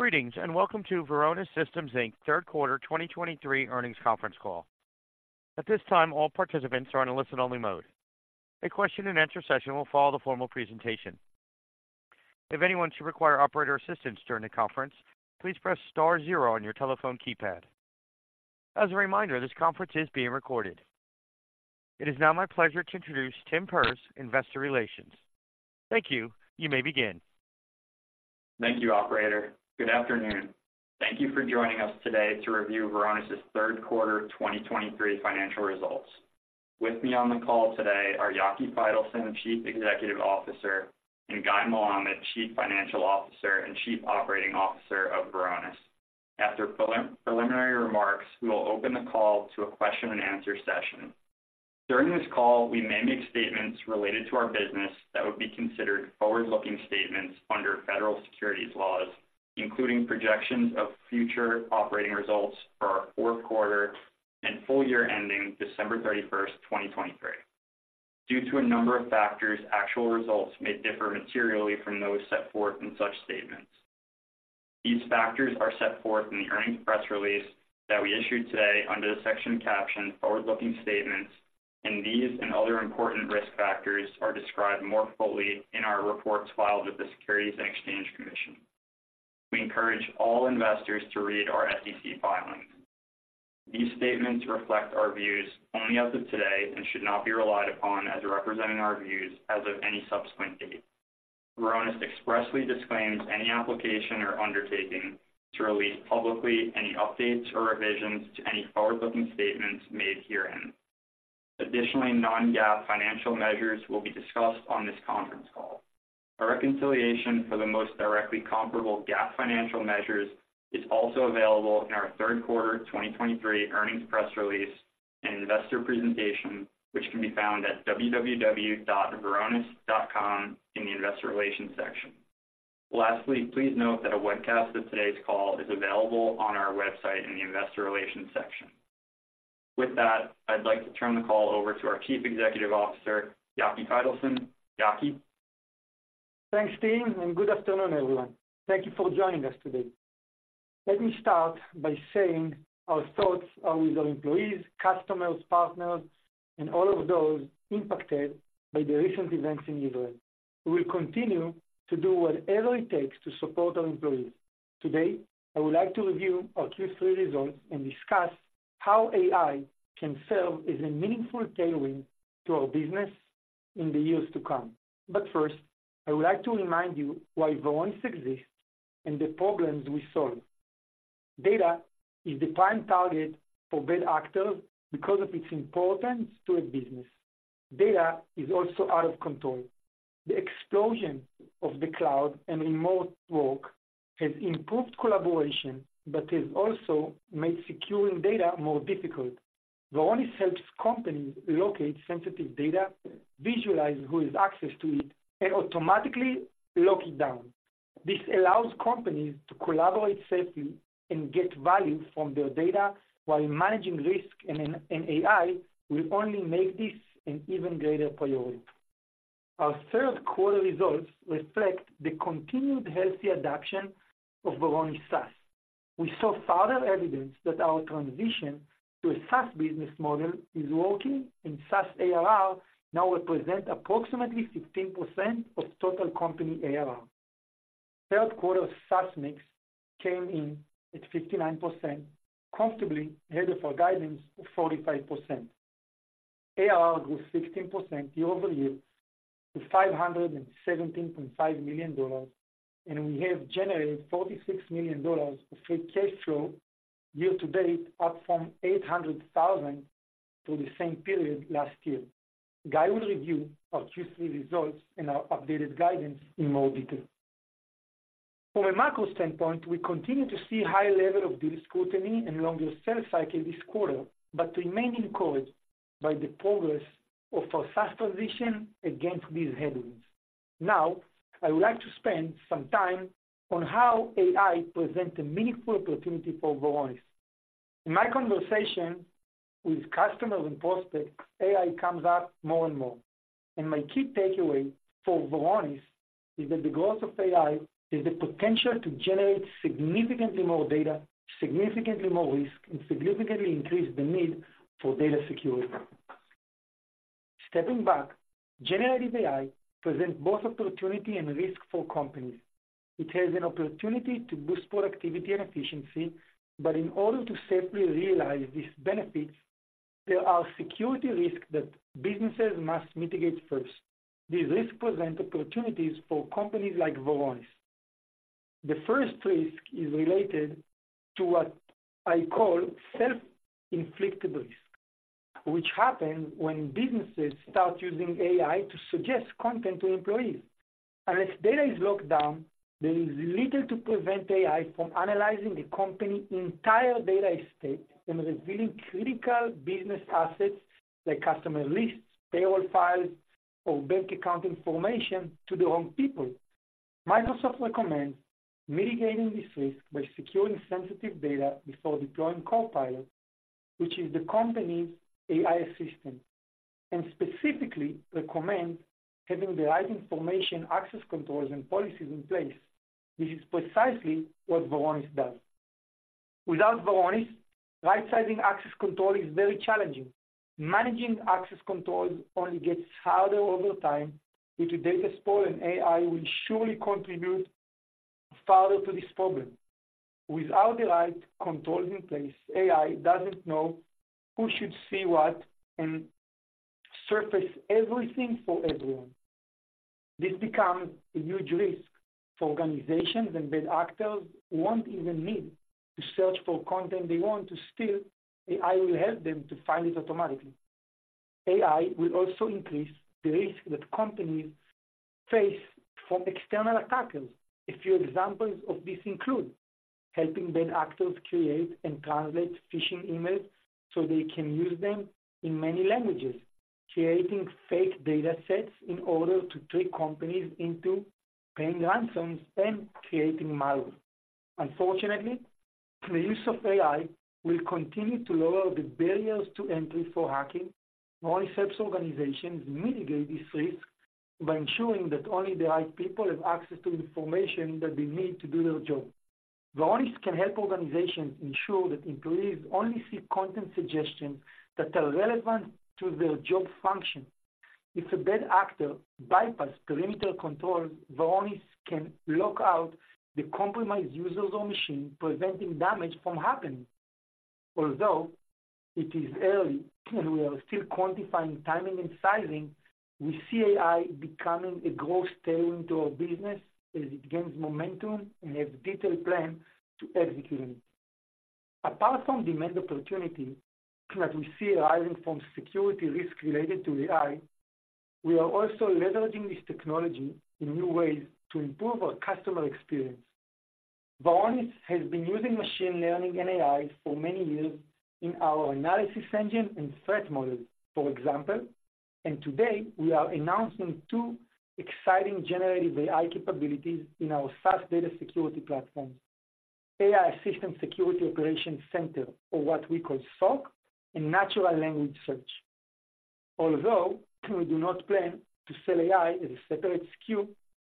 Greetings, and welcome to Varonis Systems, Inc. third quarter 2023 earnings conference call. At this time, all participants are in a listen-only mode. A question-and-answer session will follow the formal presentation. If anyone should require operator assistance during the conference, please press star zero on your telephone keypad. As a reminder, this conference is being recorded. It is now my pleasure to introduce Tim Perz, Investor Relations. Thank you. You may begin. Thank you, operator. Good afternoon. Thank you for joining us today to review Varonis's third quarter 2023 financial results. With me on the call today are Yaki Faitelson, Chief Executive Officer, and Guy Melamed, Chief Financial Officer and Chief Operating Officer of Varonis. After preliminary remarks, we will open the call to a question-and-answer session. During this call, we may make statements related to our business that would be considered forward-looking statements under federal securities laws, including projections of future operating results for our fourth quarter and full year ending December 31, 2023. Due to a number of factors, actual results may differ materially from those set forth in such statements. These factors are set forth in the earnings press release that we issued today under the section captioned Forward-Looking Statements, and these and other important risk factors are described more fully in our reports filed with the Securities and Exchange Commission. We encourage all investors to read our SEC filings. These statements reflect our views only as of today and should not be relied upon as representing our views as of any subsequent date. Varonis expressly disclaims any application or undertaking to release publicly any updates or revisions to any forward-looking statements made herein. Additionally, non-GAAP financial measures will be discussed on this conference call. A reconciliation for the most directly comparable GAAP financial measures is also available in our third quarter 2023 earnings press release and investor presentation, which can be found at www.varonis.com in the Investor Relations section. Lastly, please note that a webcast of today's call is available on our website in the Investor Relations section. With that, I'd like to turn the call over to our Chief Executive Officer, Yaki Faitelson. Yaki? Thanks, Tim, and good afternoon, everyone. Thank you for joining us today. Let me start by saying our thoughts are with our employees, customers, partners, and all of those impacted by the recent events in Israel. We will continue to do whatever it takes to support our employees. Today, I would like to review our Q3 results and discuss how AI can serve as a meaningful tailwind to our business in the years to come. But first, I would like to remind you why Varonis exists and the problems we solve. Data is the prime target for bad actors because of its importance to a business. Data is also out of control. The explosion of the cloud and remote work has improved collaboration, but has also made securing data more difficult. Varonis helps companies locate sensitive data, visualize who has access to it, and automatically lock it down. This allows companies to collaborate safely and get value from their data while managing risk, and AI will only make this an even greater priority. Our third quarter results reflect the continued healthy adoption of Varonis SaaS. We saw further evidence that our transition to a SaaS business model is working, and SaaS ARR now represent approximately 15% of total company ARR. Third quarter SaaS mix came in at 59%, comfortably ahead of our guidance of 45%. ARR grew 16% year-over-year to $517.5 million, and we have generated $46 million of free cash flow year-to-date, up from $800,000 for the same period last year. Guy will review our Q3 results and our updated guidance in more detail. From a macro standpoint, we continue to see high level of deal scrutiny and longer sales cycle this quarter, but remain encouraged by the progress of our SaaS transition against these headwinds. Now, I would like to spend some time on how AI presents a meaningful opportunity for Varonis. In my conversation with customers and prospects, AI comes up more and more, and my key takeaway for Varonis is that the growth of AI is the potential to generate significantly more data, significantly more risk, and significantly increase the need for data security. Stepping back, generative AI presents both opportunity and risk for companies. It has an opportunity to boost productivity and efficiency, but in order to safely realize these benefits, there are security risks that businesses must mitigate first. These risks present opportunities for companies like Varonis. The first risk is related to what I call self-inflicted risk, which happens when businesses start using AI to suggest content to employees. Unless data is locked down, there is little to prevent AI from analyzing a company's entire data estate and revealing critical business assets like customer lists, payroll files, or bank account information to the wrong people. Microsoft recommends mitigating this risk by securing sensitive data before deploying Copilot, which is the company's AI assistant, and specifically recommend having the right information, access controls, and policies in place. This is precisely what Varonis does. Without Varonis, right-sizing access control is very challenging. Managing access controls only gets harder over time, with data sprawl and AI will surely contribute further to this problem. Without the right controls in place, AI doesn't know who should see what and surface everything for everyone. This becomes a huge risk for organizations, and bad actors won't even need to search for content they want to steal. AI will help them to find it automatically. AI will also increase the risk that companies face from external attackers. A few examples of this include: helping bad actors create and translate phishing emails so they can use them in many languages, creating fake data sets in order to trick companies into paying ransoms, and creating malware. Unfortunately, the use of AI will continue to lower the barriers to entry for hacking. Varonis helps organizations mitigate this risk by ensuring that only the right people have access to information that they need to do their job. Varonis can help organizations ensure that employees only see content suggestions that are relevant to their job function. If a bad actor bypass perimeter controls, Varonis can lock out the compromised users or machine, preventing damage from happening. Although it is early, and we are still quantifying timing and sizing, we see AI becoming a growth tailwind to our business as it gains momentum and have detailed plan to execute it. Apart from demand opportunity that we see arising from security risks related to AI, we are also leveraging this technology in new ways to improve our customer experience. Varonis has been using machine learning and AI for many years in our analysis engine and threat models, for example, and today, we are announcing two exciting generative AI capabilities in our SaaS data security platform: AI assistant security operations center, or what we call SOC, and natural language search. Although we do not plan to sell AI as a separate SKU,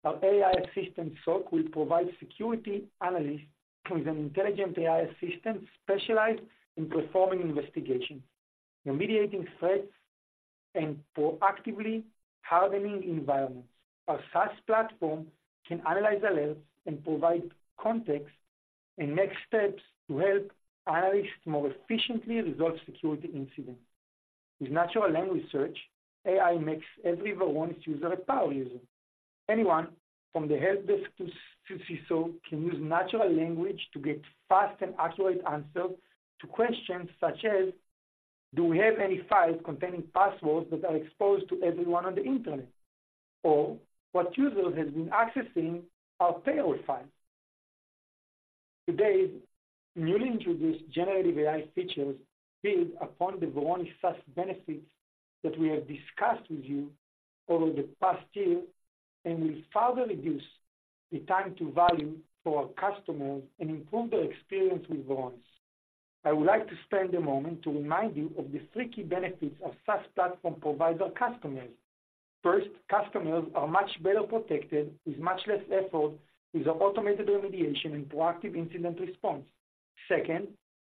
our AI assistant, SOC, will provide security analysts with an intelligent AI assistant specialized in performing investigations, remediating threats, and proactively hardening environments. Our SaaS platform can analyze alerts and provide context and next steps to help analysts more efficiently resolve security incidents. With natural language search, AI makes every Varonis user a power user. Anyone from the help desk to CISO can use natural language to get fast and accurate answers to questions such as, "Do we have any files containing passwords that are exposed to everyone on the internet?" Or, "What user has been accessing our payroll files?" Today, newly introduced generative AI features build upon the Varonis SaaS benefits that we have discussed with you over the past year and will further reduce the time to value for our customers and improve their experience with Varonis. I would like to spend a moment to remind you of the three key benefits our SaaS platform provide our customers. First, customers are much better protected, with much less effort, with our automated remediation and proactive incident response. Second,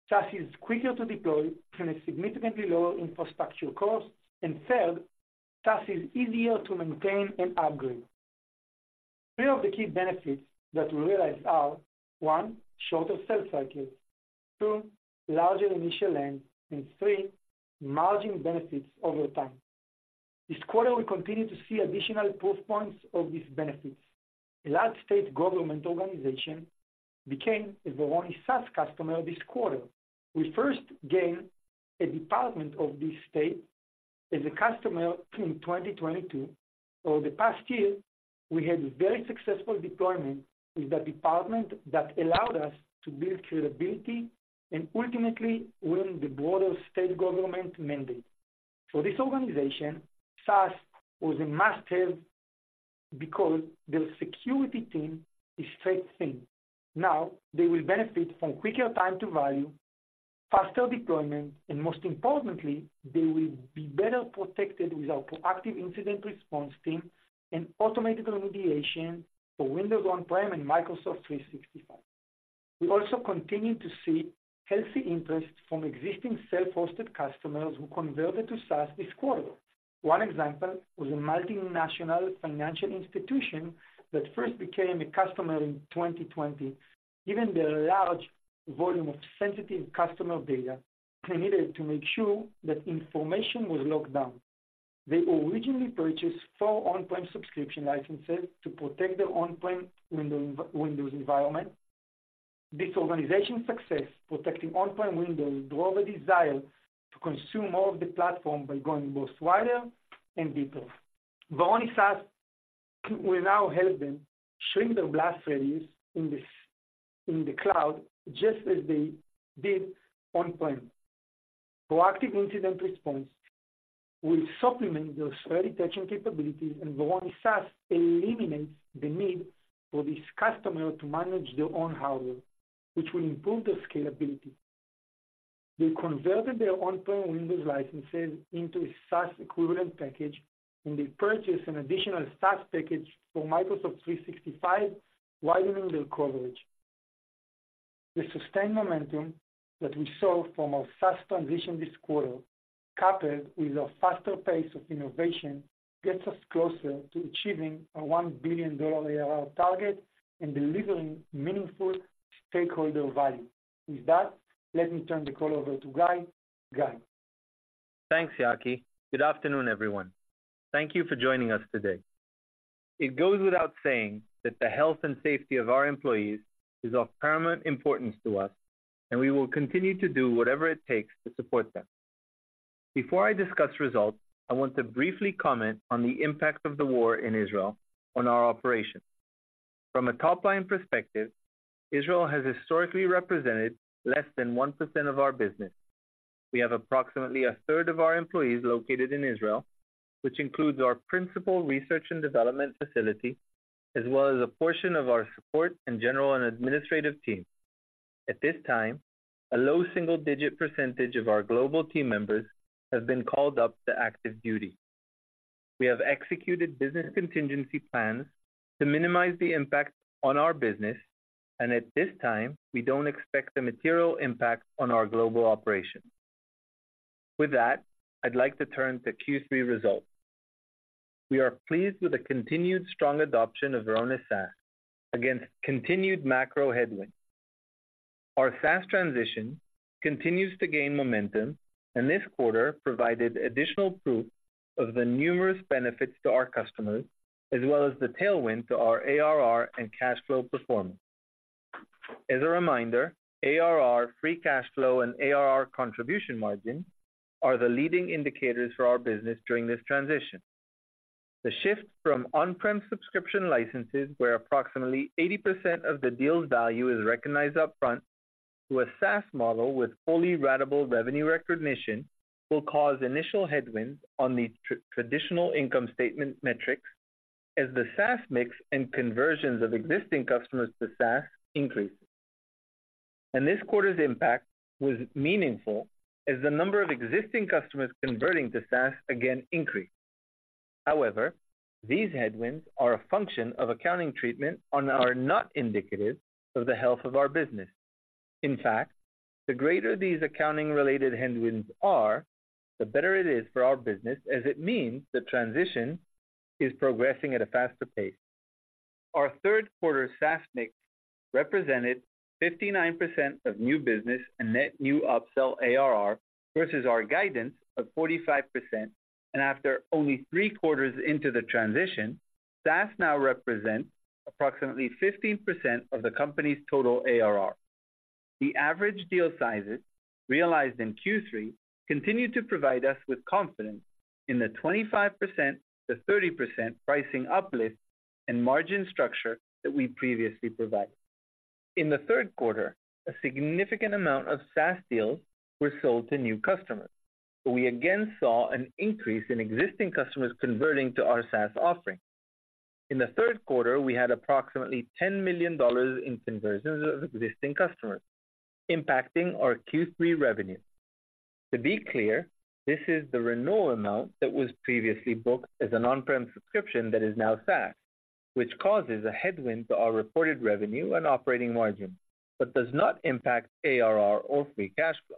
SaaS is quicker to deploy and a significantly lower infrastructure cost. And third, SaaS is easier to maintain and upgrade. Three of the key benefits that we realize are: 1, shorter sales cycles, 2, larger initial length, and 3, margin benefits over time. This quarter, we continue to see additional proof points of these benefits. A large state government organization became a Varonis SaaS customer this quarter. We first gained a department of this state as a customer in 2022. Over the past year, we had a very successful deployment with the department that allowed us to build credibility and ultimately win the broader state government mandate. For this organization, SaaS was a must-have because their security team is stretched thin. Now, they will benefit from quicker time to value, faster deployment, and most importantly, they will be better protected with our proactive incident response team and automated remediation for Windows on-prem and Microsoft 365. We also continue to see healthy interest from existing self-hosted customers who converted to SaaS this quarter. One example was a multinational financial institution that first became a customer in 2020. Given their large volume of sensitive customer data, they needed to make sure that information was locked down. They originally purchased four on-prem subscription licenses to protect their on-prem Windows environment. This organization's success protecting on-prem Windows drove a desire to consume more of the platform by going both wider and deeper. Varonis SaaS will now help them shrink their blast radius in the cloud, just as they did on-prem. Proactive incident response will supplement those early touching capabilities, and Varonis SaaS eliminates the need for this customer to manage their own hardware, which will improve the scalability. They converted their on-prem Windows licenses into a SaaS equivalent package, and they purchased an additional SaaS package for Microsoft 365, widening their coverage. The sustained momentum that we saw from our SaaS transition this quarter, coupled with our faster pace of innovation, gets us closer to achieving our $1 billion ARR target and delivering meaningful stakeholder value. With that, let me turn the call over to Guy. Guy? Thanks, Yaki. Good afternoon, everyone. Thank you for joining us today. It goes without saying that the health and safety of our employees is of paramount importance to us, and we will continue to do whatever it takes to support them. Before I discuss results, I want to briefly comment on the impact of the war in Israel on our operations. From a top-line perspective, Israel has historically represented less than 1% of our business. We have approximately a third of our employees located in Israel, which includes our principal research and development facility, as well as a portion of our support and general and administrative team. At this time, a low single-digit percentage of our global team members have been called up to active duty. We have executed business contingency plans to minimize the impact on our business, and at this time, we don't expect a material impact on our global operations. With that, I'd like to turn to Q3 results. We are pleased with the continued strong adoption of Varonis SaaS against continued macro headwinds. Our SaaS transition continues to gain momentum, and this quarter provided additional proof of the numerous benefits to our customers, as well as the tailwind to our ARR and cash flow performance. As a reminder, ARR, free cash flow, and ARR contribution margin are the leading indicators for our business during this transition. The shift from on-prem subscription licenses, where approximately 80% of the deal's value is recognized upfront, to a SaaS model with fully ratable revenue recognition, will cause initial headwinds on the traditional income statement metrics as the SaaS mix and conversions of existing customers to SaaS increase. This quarter's impact was meaningful as the number of existing customers converting to SaaS again increased. However, these headwinds are a function of accounting treatment and are not indicative of the health of our business. In fact, the greater these accounting-related headwinds are, the better it is for our business, as it means the transition is progressing at a faster pace. Our third quarter SaaS mix represented 59% of new business and net new upsell ARR, versus our guidance of 45%, and after only three quarters into the transition, SaaS now represents approximately 15% of the company's total ARR. The average deal sizes realized in Q3 continued to provide us with confidence in the 25%-30% pricing uplift and margin structure that we previously provided. In the third quarter, a significant amount of SaaS deals were sold to new customers, so we again saw an increase in existing customers converting to our SaaS offering. In the third quarter, we had approximately $10 million in conversions of existing customers, impacting our Q3 revenue. To be clear, this is the renewal amount that was previously booked as an on-prem subscription that is now SaaS, which causes a headwind to our reported revenue and operating margin, but does not impact ARR or free cash flow.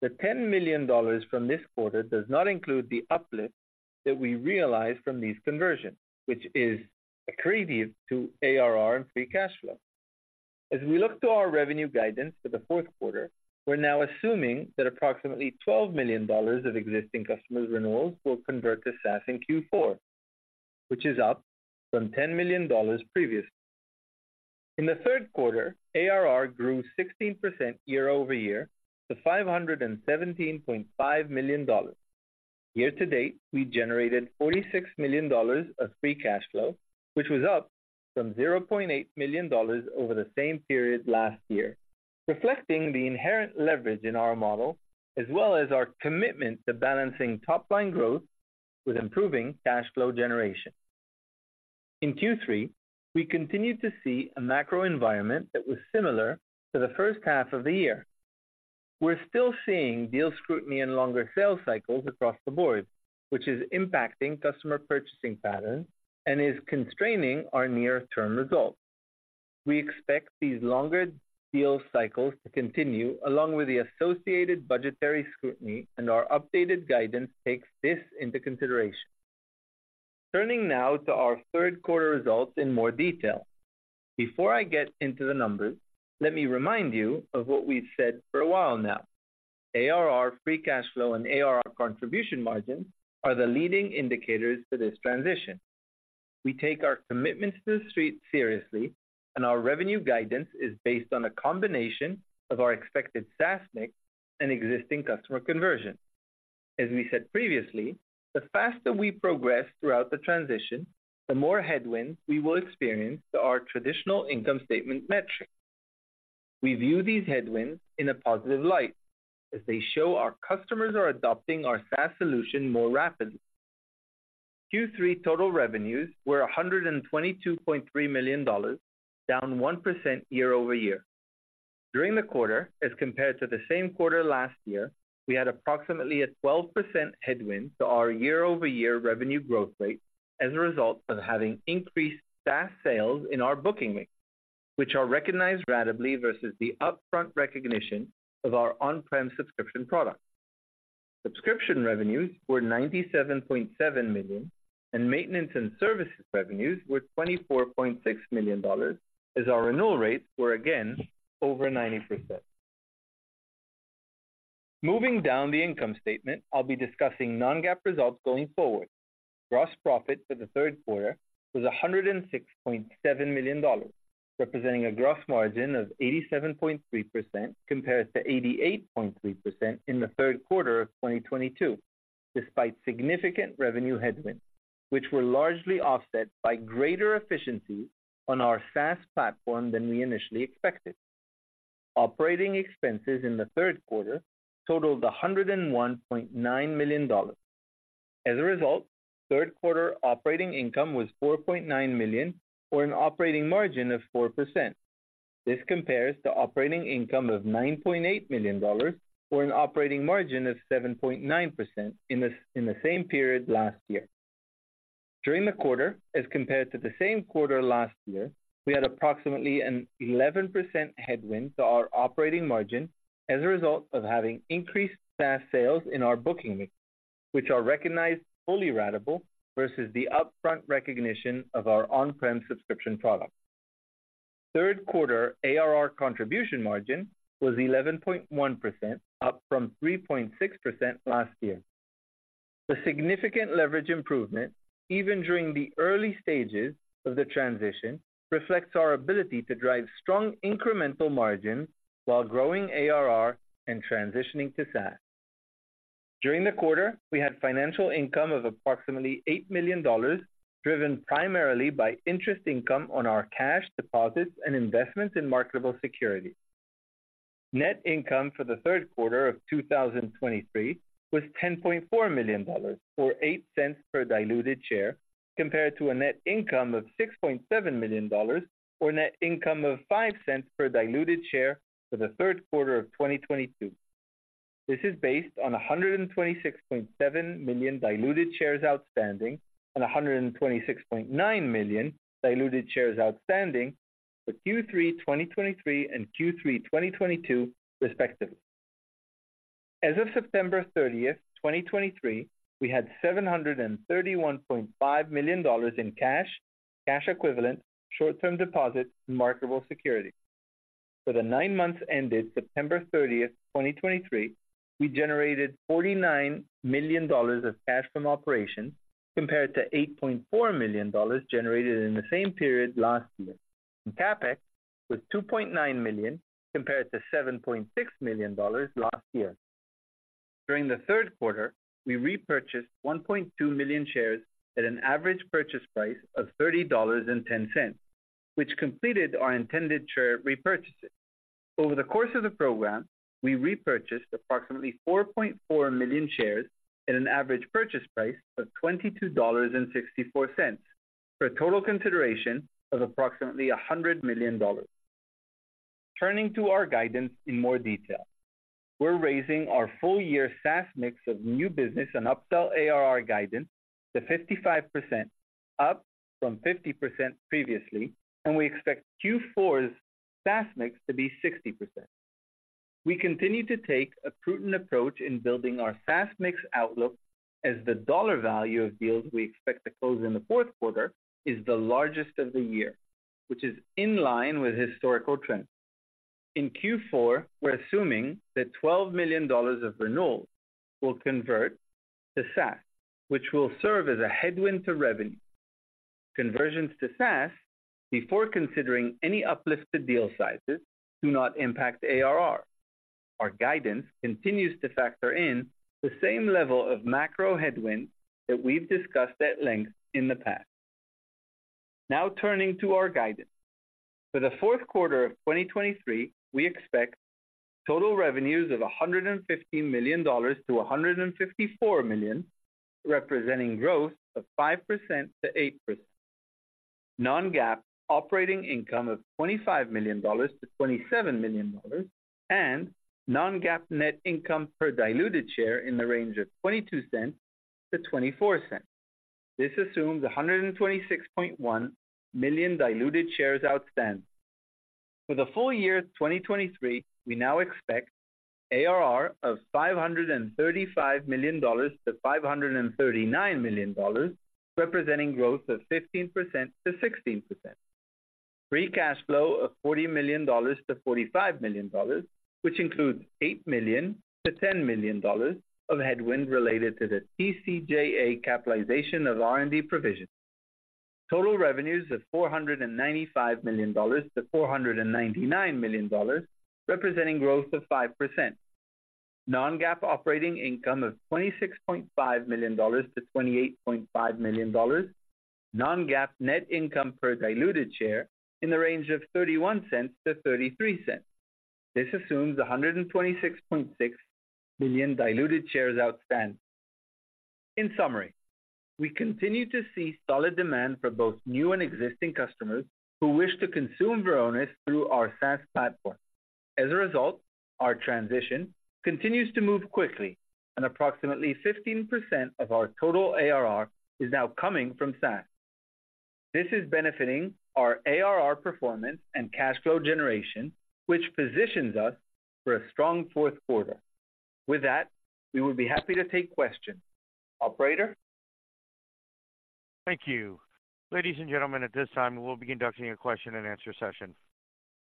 The $10 million from this quarter does not include the uplift that we realized from these conversions, which is accretive to ARR and free cash flow. As we look to our revenue guidance for the fourth quarter, we're now assuming that approximately $12 million of existing customers' renewals will convert to SaaS in Q4, which is up from $10 million previously. In the third quarter, ARR grew 16% year over year to $517.5 million. Year to date, we generated $46 million of free cash flow, which was up from $0.8 million over the same period last year, reflecting the inherent leverage in our model, as well as our commitment to balancing top-line growth with improving cash flow generation. In Q3, we continued to see a macro environment that was similar to the first half of the year. We're still seeing deal scrutiny and longer sales cycles across the board, which is impacting customer purchasing patterns and is constraining our near-term results. We expect these longer deal cycles to continue, along with the associated budgetary scrutiny, and our updated guidance takes this into consideration. Turning now to our third quarter results in more detail. Before I get into the numbers, let me remind you of what we've said for a while now. ARR, free cash flow, and ARR contribution margin are the leading indicators for this transition. We take our commitment to the Street seriously, and our revenue guidance is based on a combination of our expected SaaS mix and existing customer conversion. As we said previously, the faster we progress throughout the transition, the more headwinds we will experience to our traditional income statement metrics. We view these headwinds in a positive light as they show our customers are adopting our SaaS solution more rapidly. Q3 total revenues were $122.3 million, down 1% year-over-year. During the quarter, as compared to the same quarter last year, we had approximately a 12% headwind to our year-over-year revenue growth rate as a result of having increased SaaS sales in our booking mix, which are recognized ratably versus the upfront recognition of our on-prem subscription product. Subscription revenues were $97.7 million, and maintenance and services revenues were $24.6 million, as our renewal rates were again over 90%. Moving down the income statement, I'll be discussing Non-GAAP results going forward. Gross profit for the third quarter was $106.7 million, representing a gross margin of 87.3% compared to 88.3% in the third quarter of 2022, despite significant revenue headwinds, which were largely offset by greater efficiency on our SaaS platform than we initially expected. Operating expenses in the third quarter totaled $101.9 million. As a result, third quarter operating income was $4.9 million, or an operating margin of 4%. This compares to operating income of $9.8 million, or an operating margin of 7.9% in the same period last year. During the quarter, as compared to the same quarter last year, we had approximately an 11% headwind to our operating margin as a result of having increased SaaS sales in our booking mix, which are recognized fully ratable versus the upfront recognition of our on-prem subscription product. Third quarter ARR contribution margin was 11.1%, up from 3.6% last year. The significant leverage improvement, even during the early stages of the transition, reflects our ability to drive strong incremental margin while growing ARR and transitioning to SaaS. During the quarter, we had financial income of approximately $8 million, driven primarily by interest income on our cash deposits and investments in marketable securities. Net income for the third quarter of 2023 was $10.4 million, or $0.08 per diluted share, compared to a net income of $6.7 million, or net income of $0.05 per diluted share for the third quarter of 2022. This is based on 126.7 million diluted shares outstanding and 126.9 million diluted shares outstanding for Q3 2023 and Q3 2022, respectively. As of September 30, 2023, we had $731.5 million in cash, cash equivalents, short-term deposits, and marketable securities. For the nine months ended September 30, 2023, we generated $49 million of cash from operations, compared to $8.4 million generated in the same period last year, and CapEx was $2.9 million, compared to $7.6 million last year. During the third quarter, we repurchased 1.2 million shares at an average purchase price of $30.10, which completed our intended share repurchases. Over the course of the program, we repurchased approximately 4.4 million shares at an average purchase price of $22.64, for a total consideration of approximately $100 million. Turning to our guidance in more detail, we're raising our full-year SaaS mix of new business and upsell ARR guidance to 55%, up from 50% previously, and we expect Q4's SaaS mix to be 60%. We continue to take a prudent approach in building our SaaS mix outlook, as the dollar value of deals we expect to close in the fourth quarter is the largest of the year, which is in line with historical trends. In Q4, we're assuming that $12 million of renewal will convert to SaaS, which will serve as a headwind to revenue. Conversions to SaaS, before considering any uplifted deal sizes, do not impact ARR. Our guidance continues to factor in the same level of macro headwinds that we've discussed at length in the past. Now, turning to our guidance. For the fourth quarter of 2023, we expect total revenues of $150 million-$154 million, representing growth of 5%-8%. Non-GAAP operating income of $25 million-$27 million, and non-GAAP net income per diluted share in the range of $0.22-$0.24. This assumes 126.1 million diluted shares outstanding. For the full year 2023, we now expect ARR of $535 million-$539 million, representing growth of 15%-16%. Free cash flow of $40 million-$45 million, which includes $8 million-$10 million of headwinds related to the TCJA capitalization of R&D provisions. Total revenues of $495 million-$499 million, representing growth of 5%. Non-GAAP operating income of $26.5 million-$28.5 million. Non-GAAP net income per diluted share in the range of $0.31-$0.33.... This assumes 126.6 million diluted shares outstanding. In summary, we continue to see solid demand from both new and existing customers who wish to consume Varonis through our SaaS platform. As a result, our transition continues to move quickly and approximately 15% of our total ARR is now coming from SaaS. This is benefiting our ARR performance and cash flow generation, which positions us for a strong fourth quarter. With that, we will be happy to take questions. Operator? Thank you. Ladies and gentlemen, at this time, we'll be conducting a question-and-answer session.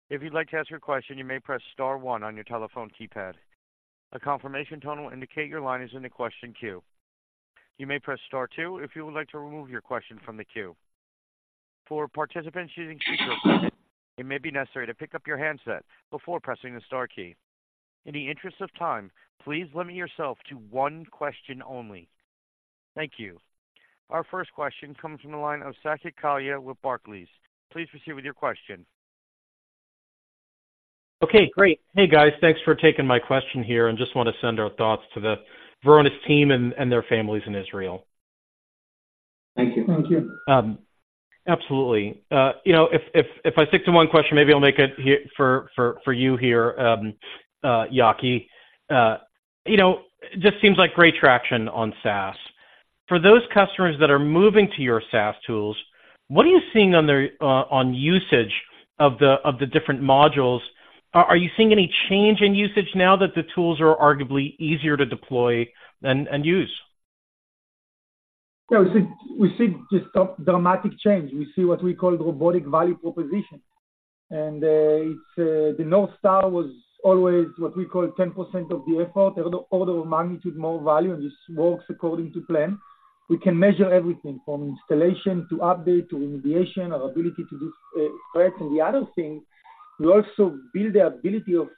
If you'd like to ask your question, you may press star one on your telephone keypad. A confirmation tone will indicate your line is in the question queue. You may press star two if you would like to remove your question from the queue. For participants using speakerphones it may be necessary to pick up your handset before pressing the star key. In the interest of time, please limit yourself to one question only. Thank you. Our first question comes from the line of Saket Kalia with Barclays. Please proceed with your question. Okay, great. Hey, guys. Thanks for taking my question here, and just want to send our thoughts to the Varonis team and their families in Israel. Thank you. Thank you. Absolutely. You know, if I stick to one question, maybe I'll make it here for you here, Yaki. You know, just seems like great traction on SaaS. For those customers that are moving to your SaaS tools, what are you seeing on their on usage of the different modules? Are you seeing any change in usage now that the tools are arguably easier to deploy and use? Yeah, we see, we see just dramatic change. We see what we call robotic value proposition. And, it's, the North Star was always what we call 10% of the effort, order of magnitude, more value, and just works according to plan. We can measure everything from installation, to update, to remediation, or ability to do, threat. And the other thing, we also build the ability of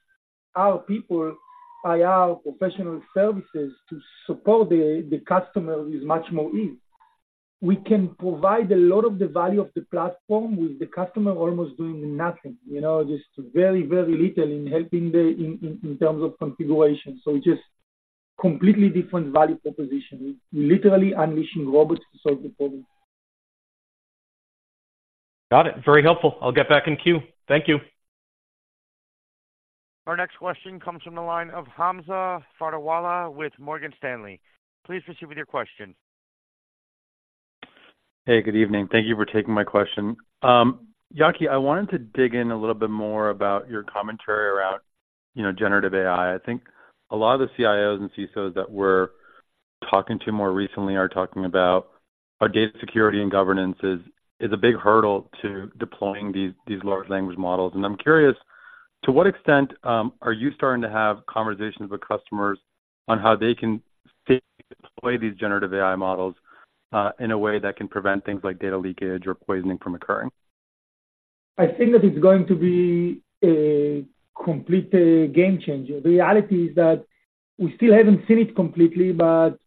our people, IR, professional services, to support the customer is much more easy. We can provide a lot of the value of the platform with the customer almost doing nothing, you know, just very, very little in helping the in terms of configuration. So just completely different value proposition, literally unleashing robots to solve the problem. Got it. Very helpful. I'll get back in queue. Thank you. Our next question comes from the line of Hamza Fodderwala with Morgan Stanley. Please proceed with your question. Hey, good evening. Thank you for taking my question. Yaki, I wanted to dig in a little bit more about your commentary around, you know, generative AI. I think a lot of the CIOs and CSOs that we're talking to more recently are talking about how data security and governance is, is a big hurdle to deploying these, these large language models. And I'm curious, to what extent, are you starting to have conversations with customers on how they can safely deploy these generative AI models, in a way that can prevent things like data leakage or poisoning from occurring? I think that it's going to be a complete game changer. The reality is that we still haven't seen it completely, but,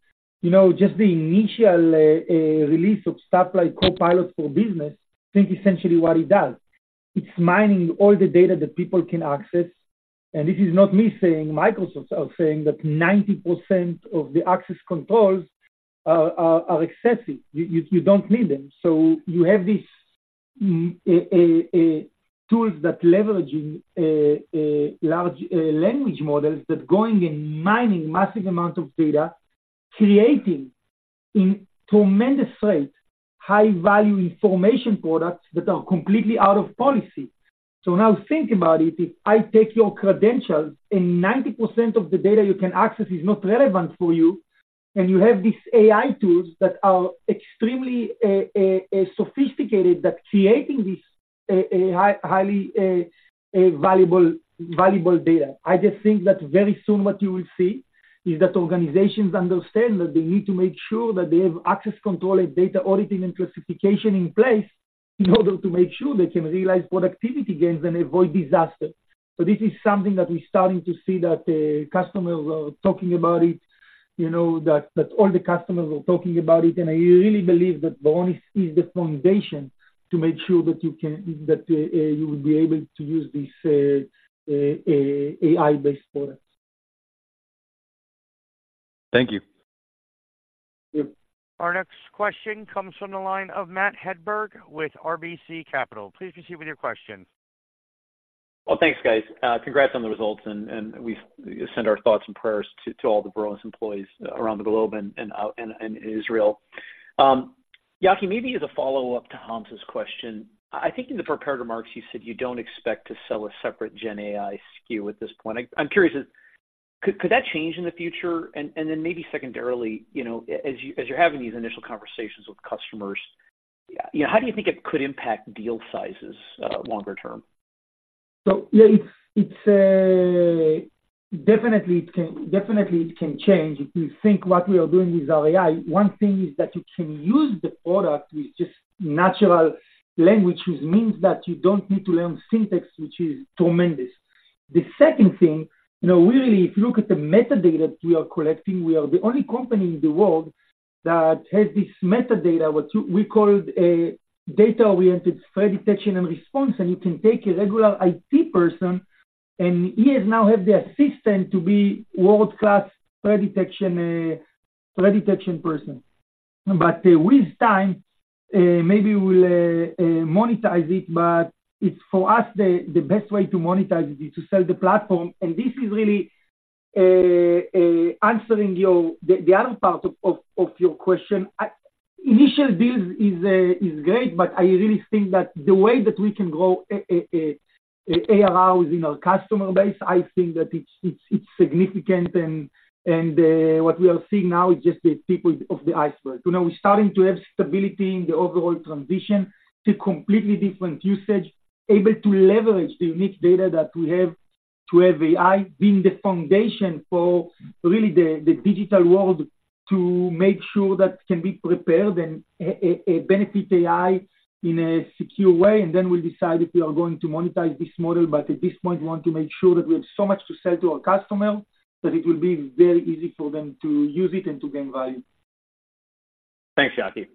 you know, just the initial release of stuff like Copilot for Business. Think essentially what it does. It's mining all the data that people can access, and this is not me saying, Microsoft are saying that 90% of the access controls are excessive. You don't need them. So you have these tools that leveraging large language models that going and mining massive amounts of data, creating in tremendous rates, high value information products that are completely out of policy. So now think about it, if I take your credentials and 90% of the data you can access is not relevant for you, and you have these AI tools that are extremely sophisticated, that creating this high, highly valuable, valuable data. I just think that very soon what you will see is that organizations understand that they need to make sure that they have access control and data auditing and classification in place in order to make sure they can realize productivity gains and avoid disaster. So this is something that we're starting to see, that customers are talking about it, you know, that all the customers are talking about it, and I really believe that Varonis is the foundation to make sure that you can—that you will be able to use these AI-based products. Thank you. Yep. Our next question comes from the line of Matt Hedberg, with RBC Capital. Please proceed with your question. Well, thanks, guys. Congrats on the results, and we send our thoughts and prayers to all the Varonis employees around the globe and Israel. Yaki, maybe as a follow-up to Hamza's question, I think in the prepared remarks, you said you don't expect to sell a separate Gen AI SKU at this point. I'm curious, could that change in the future? And then maybe secondarily, you know, as you're having these initial conversations with customers, you know, how do you think it could impact deal sizes longer term? So, yeah, it's a... Definitely, it can change. If you think what we are doing with our AI, one thing is that you can use the product with just natural languages, means that you don't need to learn syntax, which is tremendous. The second thing, you know, really, if you look at the metadata we are collecting, we are the only company in the world that has this metadata, what we called a data-oriented threat detection and response, and you can take a regular IT person, and he is now have the assistant to be world-class threat detection person. But with time, maybe we'll monetize it, but it's for us, the best way to monetize it is to sell the platform. And this is really answering your the other part of your question. Initial deals is great, but I really think that the way that we can grow ARRs in our customer base, I think that it's significant and what we are seeing now is just the tip of the iceberg. You know, we're starting to have stability in the overall transition to completely different usage, able to leverage the unique data that we have to have AI being the foundation for really the digital world, to make sure that can be prepared and benefit AI in a secure way, and then we'll decide if we are going to monetize this model. But at this point, we want to make sure that we have so much to sell to our customer, that it will be very easy for them to use it and to gain value. Thanks, Yaki.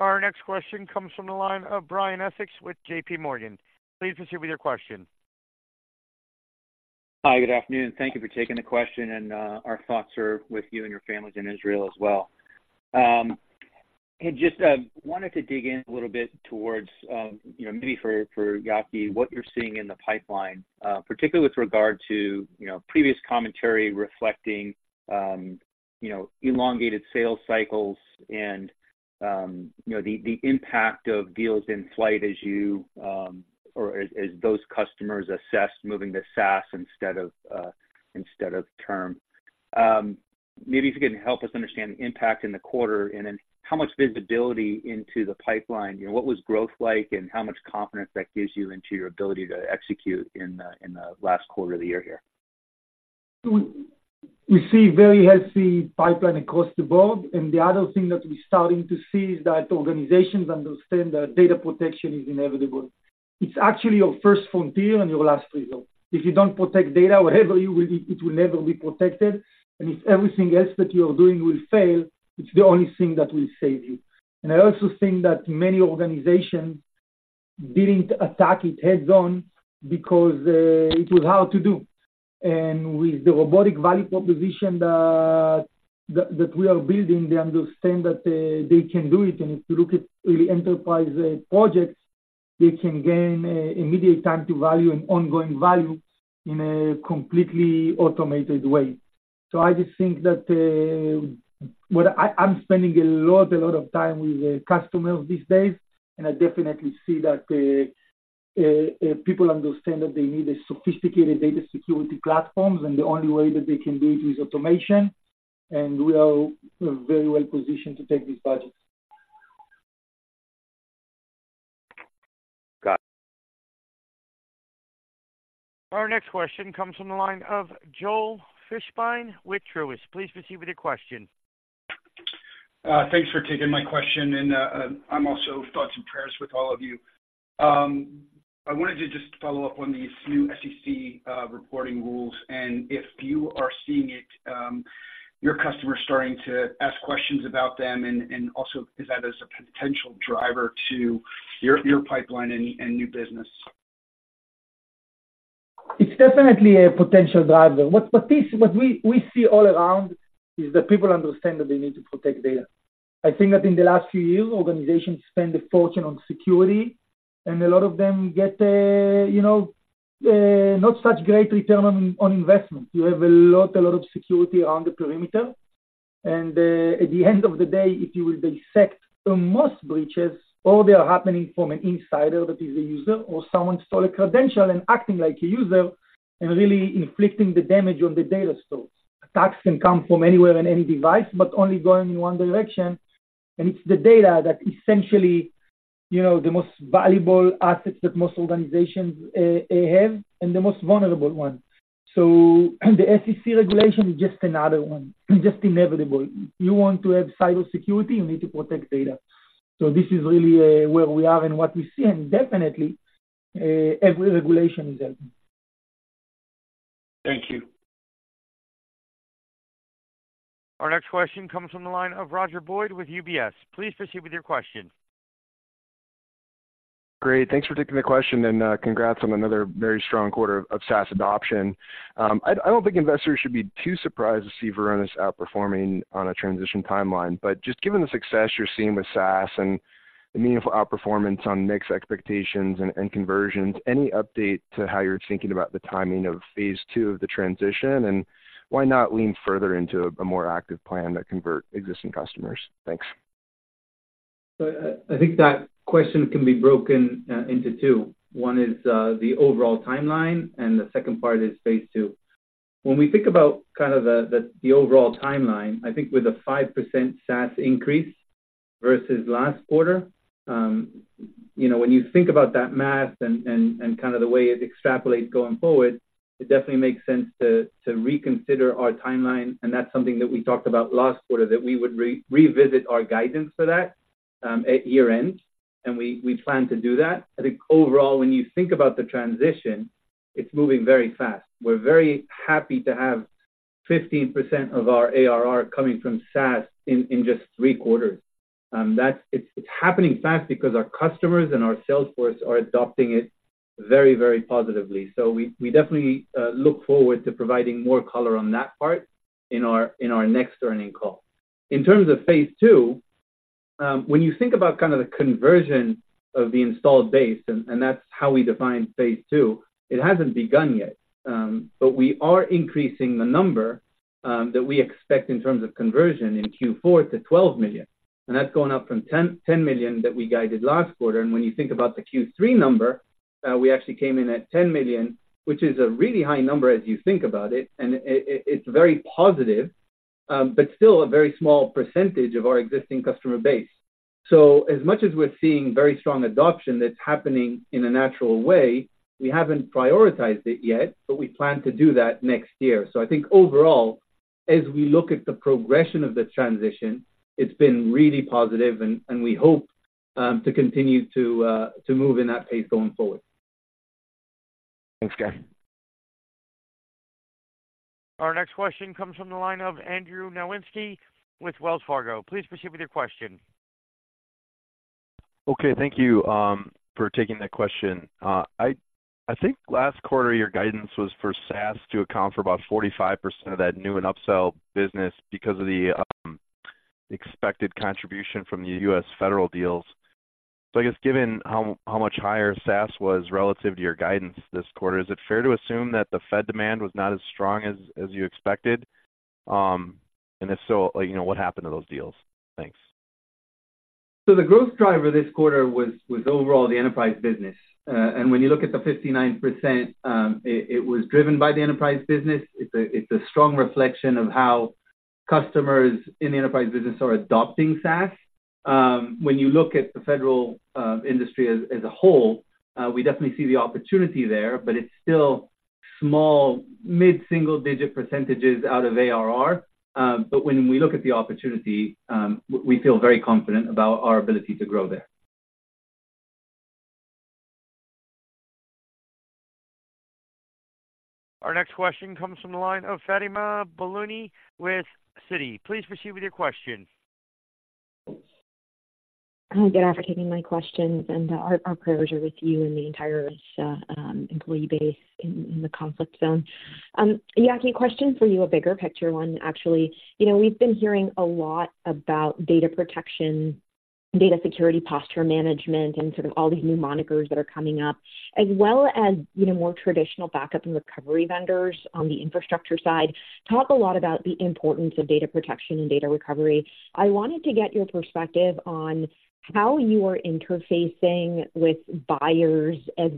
Our next question comes from the line of Brian Essex with JP Morgan. Please proceed with your question. Hi, good afternoon. Thank you for taking the question, and our thoughts are with you and your families in Israel as well. I just wanted to dig in a little bit toward you know, maybe for Yaki, what you're seeing in the pipeline, particularly with regard to you know, previous commentary reflecting you know, elongated sales cycles and you know, the impact of deals in flight as you or as those customers assess moving to SaaS instead of term. Maybe if you can help us understand the impact in the quarter, and then how much visibility into the pipeline, you know, what was growth like and how much confidence that gives you into your ability to execute in the last quarter of the year here? We see very healthy pipeline across the board, and the other thing that we're starting to see is that organizations understand that data protection is inevitable. It's actually your first frontier and your last resort. If you don't protect data, whatever, you will. It will never be protected, and if everything else that you are doing will fail, it's the only thing that will save you. And I also think that many organizations didn't attack it head on because it was hard to do. And with the robotic value proposition that we are building, they understand that they can do it. And if you look at really enterprise projects, they can gain immediate time to value and ongoing value in a completely automated way. So I just think that, I'm spending a lot, a lot of time with customers these days, and I definitely see that, people understand that they need a sophisticated data security platforms, and the only way that they can do it is automation, and we are very well positioned to take these budgets. Got it. Our next question comes from the line of Joel Fishbein, with Truist. Please proceed with your question. Thanks for taking my question, and, I'm also thoughts and prayers with all of you. I wanted to just follow up on these new SEC reporting rules, and if you are seeing it, your customers starting to ask questions about them, and, and also is that as a potential driver to your, your pipeline and, and new business? It's definitely a potential driver. What we see all around is that people understand that they need to protect data. I think that in the last few years, organizations spend a fortune on security, and a lot of them get, you know, not such great return on investment. You have a lot of security around the perimeter, and at the end of the day, if you will detect the most breaches, all they are happening from an insider that is a user or someone stole a credential and acting like a user and really inflicting the damage on the data store. Attacks can come from anywhere in any device, but only going in one direction, and it's the data that essentially, you know, the most valuable assets that most organizations have, and the most vulnerable one. The SEC regulation is just another one, just inevitable. You want to have cybersecurity, you need to protect data. This is really, where we are and what we see, and definitely, every regulation is helping. Thank you. Our next question comes from the line of Roger Boyd, with UBS. Please proceed with your question. Great, thanks for taking the question, and, congrats on another very strong quarter of SaaS adoption. I don't think investors should be too surprised to see Varonis outperforming on a transition timeline, but just given the success you're seeing with SaaS and the meaningful outperformance on mixed expectations and, and conversions, any update to how you're thinking about the timing of phase two of the transition, and why not lean further into a more active plan that convert existing customers? Thanks. I think that question can be broken into two. One is the overall timeline, and the second part is phase two. When we think about kind of the overall timeline, I think with a 5% SaaS increase versus last quarter, you know, when you think about that math and kind of the way it extrapolates going forward, it definitely makes sense to reconsider our timeline. And that's something that we talked about last quarter, that we would revisit our guidance for that at year-end, and we plan to do that. I think overall, when you think about the transition. It's moving very fast. We're very happy to have 15% of our ARR coming from SaaS in just three quarters. That's—it's happening fast because our customers and our sales force are adopting it very, very positively. So we definitely look forward to providing more color on that part in our next earnings call. In terms of phase two, when you think about kind of the conversion of the installed base, and that's how we define phase two, it hasn't begun yet, but we are increasing the number that we expect in terms of conversion in Q4 to $12 million, and that's going up from $10 million that we guided last quarter. When you think about the Q3 number, we actually came in at $10 million, which is a really high number as you think about it, and it's very positive, but still a very small percentage of our existing customer base. So as much as we're seeing very strong adoption that's happening in a natural way, we haven't prioritized it yet, but we plan to do that next year. So I think overall, as we look at the progression of the transition, it's been really positive and we hope to continue to move in that pace going forward. Thanks, Guy. Our next question comes from the line of Andrew Nowinski with Wells Fargo. Please proceed with your question. Okay, thank you for taking that question. I think last quarter, your guidance was for SaaS to account for about 45% of that new and upsell business because of the expected contribution from the U.S. federal deals. So I guess given how much higher SaaS was relative to your guidance this quarter, is it fair to assume that the Fed demand was not as strong as you expected? And if so, you know, what happened to those deals? Thanks. So the growth driver this quarter was overall the enterprise business. And when you look at the 59%, it was driven by the enterprise business. It's a strong reflection of how customers in the enterprise business are adopting SaaS. When you look at the federal industry as a whole, we definitely see the opportunity there, but it's still small, mid-single-digit percentages out of ARR. But when we look at the opportunity, we feel very confident about our ability to grow there. Our next question comes from the line of Fatima Boolani with Citi. Please proceed with your question. Hi, good after taking my questions, and, our prayers are with you and the entire employee base in the conflict zone. Yaki, question for you, a bigger picture one, actually. You know, we've been hearing a lot about data protection, data security posture management, and sort of all these new monikers that are coming up, as well as, you know, more traditional backup and recovery vendors on the infrastructure side, talk a lot about the importance of data protection and data recovery. I wanted to get your perspective on how you are interfacing with buyers as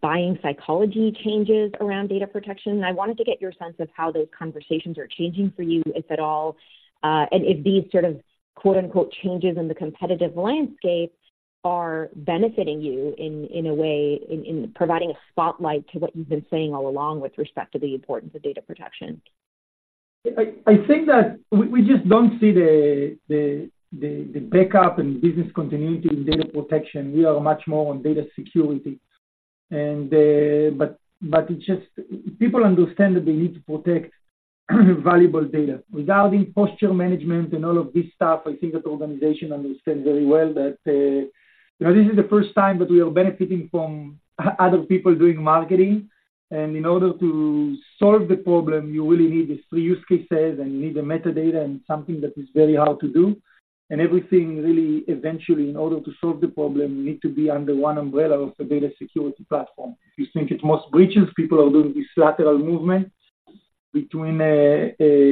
buying psychology changes around data protection. I wanted to get your sense of how those conversations are changing for you, if at all, and if these sort of “quote-unquote” changes in the competitive landscape are benefiting you in a way, in providing a spotlight to what you've been saying all along with respect to the importance of data protection? I think that we just don't see the backup and business continuity and data protection. We are much more on data security. But it's just people understand that they need to protect valuable data. Without the posture management and all of this stuff, I think that the organization understands very well that, you know, this is the first time that we are benefiting from other people doing marketing. And in order to solve the problem, you really need these three use cases, and you need the metadata and something that is very hard to do. And everything really eventually, in order to solve the problem, you need to be under one umbrella of the data security platform. You think it's most breaches, people are doing this lateral movement between a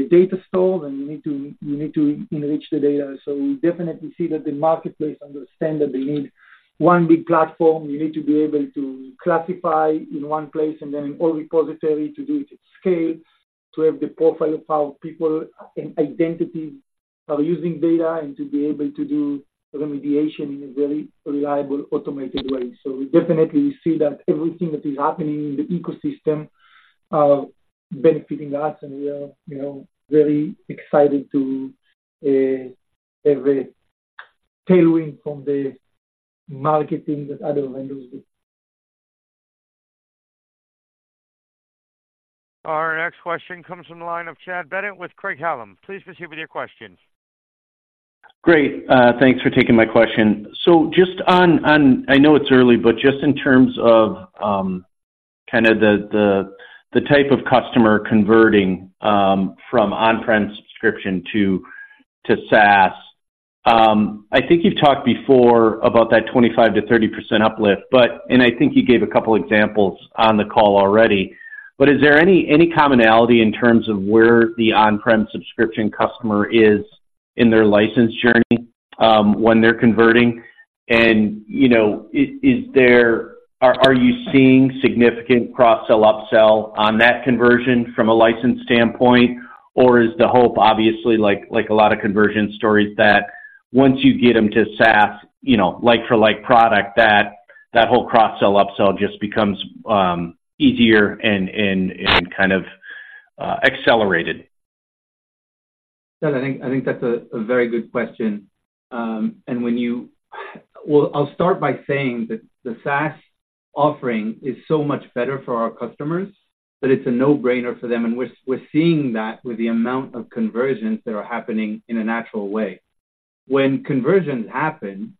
data store, and you need to, you need to enrich the data. So we definitely see that the marketplace understand that they need one big platform. You need to be able to classify in one place and then in all repository to do it at scale, to have the profile of how people and identity are using data, and to be able to do remediation in a very reliable, automated way. So we definitely see that everything that is happening in the ecosystem benefiting us, and we are, you know, very excited to have a tailwind from the marketing that other vendors do. Our next question comes from the line of Chad Bennett with Craig-Hallum. Please proceed with your question. Great, thanks for taking my question. So just on I know it's early, but just in terms of kind of the type of customer converting from on-prem subscription to SaaS. I think you've talked before about that 25%-30% uplift, but and I think you gave a couple examples on the call already. But is there any commonality in terms of where the on-prem subscription customer is in their license journey when they're converting? And you know, is there are you seeing significant cross-sell, upsell on that conversion from a license standpoint? Or is the hope obviously like a lot of conversion stories, that once you get them to SaaS, you know, like for like product, that whole cross-sell, upsell just becomes easier and and kind of accelerated? ... I think, I think that's a very good question. And when you—well, I'll start by saying that the SaaS offering is so much better for our customers, that it's a no-brainer for them, and we're, we're seeing that with the amount of conversions that are happening in a natural way. When conversions happen,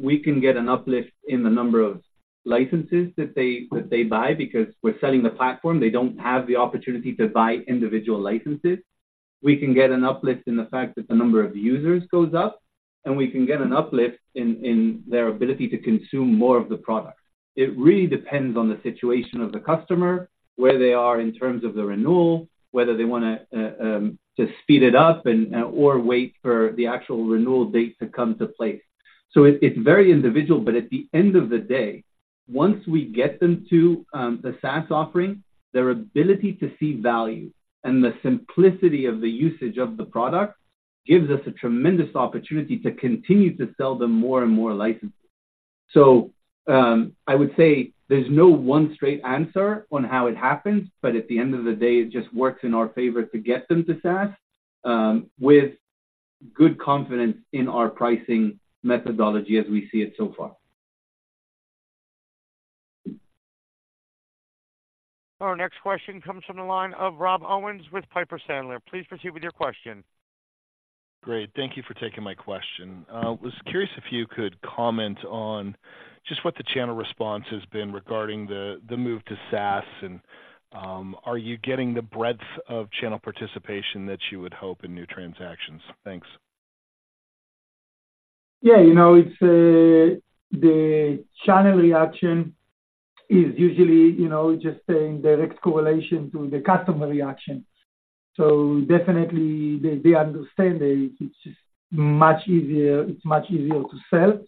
we can get an uplift in the number of licenses that they, that they buy, because we're selling the platform. They don't have the opportunity to buy individual licenses. We can get an uplift in the fact that the number of users goes up, and we can get an uplift in, in their ability to consume more of the product. It really depends on the situation of the customer, where they are in terms of the renewal, whether they wanna just speed it up and, or wait for the actual renewal date to come to place. So it, it's very individual, but at the end of the day, once we get them to the SaaS offering, their ability to see value and the simplicity of the usage of the product, gives us a tremendous opportunity to continue to sell them more and more licenses. So, I would say there's no one straight answer on how it happens, but at the end of the day, it just works in our favor to get them to SaaS, with good confidence in our pricing methodology as we see it so far. Our next question comes from the line of Rob Owens with Piper Sandler. Please proceed with your question. Great. Thank you for taking my question. Was curious if you could comment on just what the channel response has been regarding the move to SaaS, and are you getting the breadth of channel participation that you would hope in new transactions? Thanks. Yeah, you know, it's the channel reaction is usually, you know, just saying direct correlation to the customer reaction. So definitely they understand it. It's just much easier, it's much easier to sell,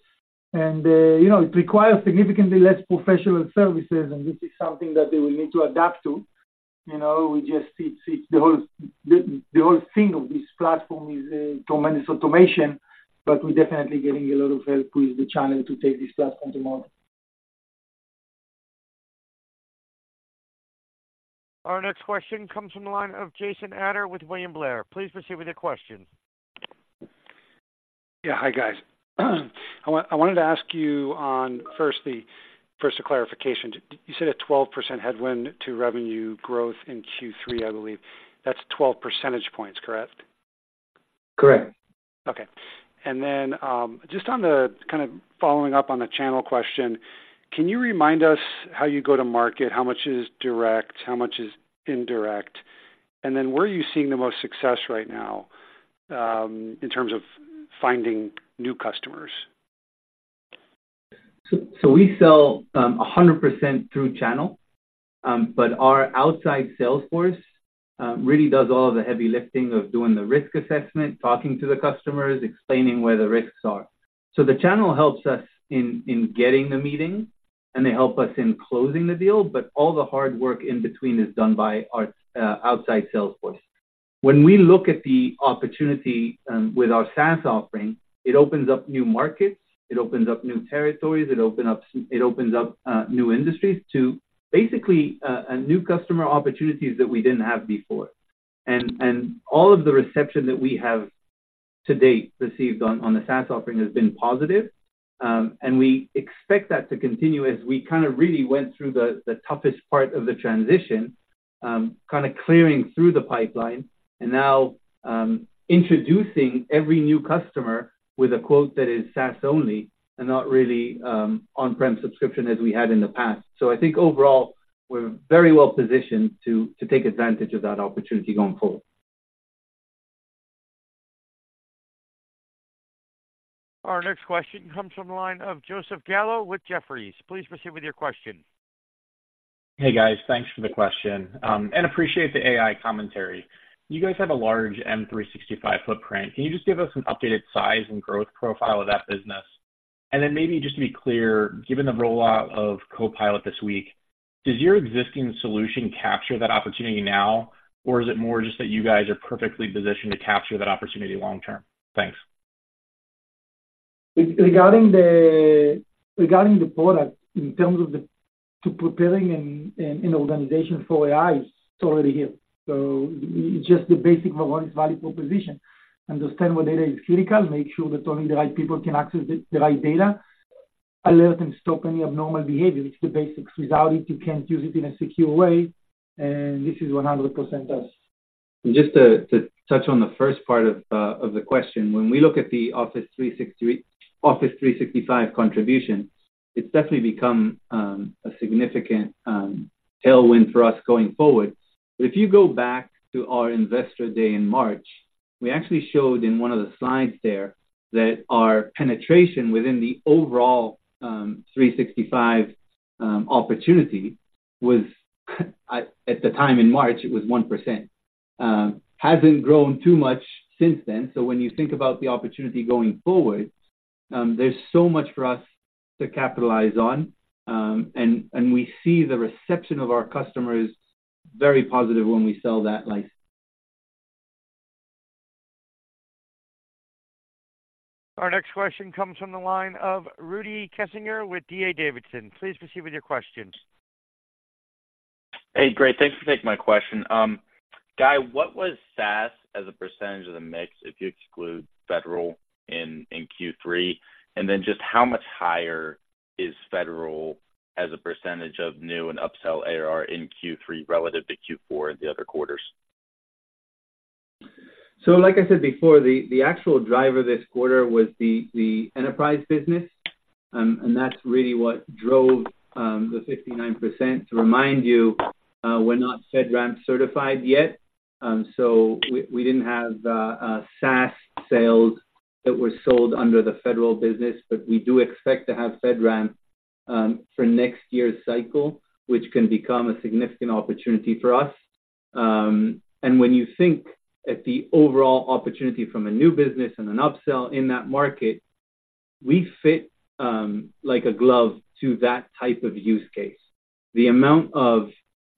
and, you know, it requires significantly less professional services, and this is something that they will need to adapt to. You know, it's the whole thing of this platform is tremendous automation, but we're definitely getting a lot of help with the channel to take this platform to market. Our next question comes from the line of Jason Ader with William Blair. Please proceed with your question. Yeah. Hi, guys. I wanted to ask you on firstly, first a clarification. You said a 12% headwind to revenue growth in Q3, I believe. That's 12 percentage points, correct? Correct. Okay. And then, just on the kind of following up on the channel question, can you remind us how you go to market? How much is direct? How much is indirect? And then, where are you seeing the most success right now, in terms of finding new customers? So we sell 100% through channel, but our outside sales force really does all the heavy lifting of doing the risk assessment, talking to the customers, explaining where the risks are. So the channel helps us in getting the meeting, and they help us in closing the deal, but all the hard work in between is done by our outside sales force. When we look at the opportunity with our SaaS offering, it opens up new markets, it opens up new territories, it opens up new industries to basically a new customer opportunities that we didn't have before. All of the reception that we have to date received on the SaaS offering has been positive, and we expect that to continue as we kind of really went through the toughest part of the transition, kind of clearing through the pipeline, and now, introducing every new customer with a quote that is SaaS only, and not really on-prem subscription as we had in the past. So I think overall, we're very well positioned to take advantage of that opportunity going forward. Our next question comes from the line of Joseph Gallo with Jefferies. Please proceed with your question. Hey, guys. Thanks for the question, and appreciate the AI commentary. You guys have a large Microsoft 365 footprint. Can you just give us an updated size and growth profile of that business? And then maybe just to be clear, given the rollout of Copilot this week, does your existing solution capture that opportunity now, or is it more just that you guys are perfectly positioned to capture that opportunity long term? Thanks. Regarding the product, in terms of preparing an organization for AI, it's already here. So just the basic value proposition, understand what data is critical, make sure that only the right people can access the right data, alert and stop any abnormal behavior. It's the basics. Without it, you can't use it in a secure way, and this is 100% us. Just to touch on the first part of the question. When we look at the Office 365 contribution, it's definitely become a significant tailwind for us going forward. But if you go back to our Investor Day in March, we actually showed in one of the slides there, that our penetration within the overall 365 opportunity was, at the time in March, it was 1%. Hasn't grown too much since then, so when you think about the opportunity going forward, there's so much for us to capitalize on, and we see the reception of our customers very positive when we sell that license. Our next question comes from the line of Rudy Kessinger with D.A. Davidson. Please proceed with your questions. Hey, great. Thanks for taking my question. Guy, what was SaaS as a percentage of the mix, if you exclude federal in Q3? And then just how much higher is federal as a percentage of new and upsell ARR in Q3 relative to Q4 and the other quarters? So like I said before, the actual driver this quarter was the enterprise business, and that's really what drove the 59%. To remind you, we're not FedRAMP certified yet, so we didn't have a SaaS sales that were sold under the federal business. But we do expect to have FedRAMP for next year's cycle, which can become a significant opportunity for us. And when you think at the overall opportunity from a new business and an upsell in that market, we fit like a glove to that type of use case. The amount